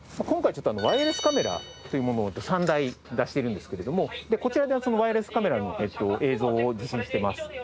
今回ちょっとワイヤレスカメラというものを３台出しているんですけれどもこちらでそのワイヤレスカメラの映像を受信してます。